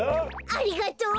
ありがとう。